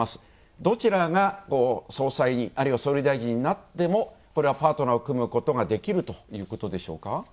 どちらが総裁に、あるいは総理大臣になっても、これはパートナーを組むことができるということでしょうか？